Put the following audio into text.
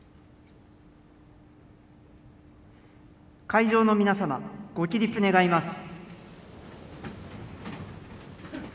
会場の皆様、ご起立願います。